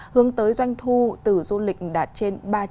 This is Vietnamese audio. hướng tới doanh thu từ du lịch đạt trên ba trăm năm mươi tỷ đồng